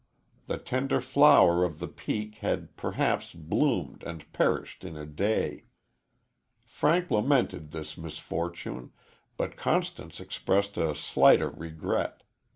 The tender flower of the peak had perhaps bloomed and perished in a day. Frank lamented this misfortune, but Constance expressed a slighter regret.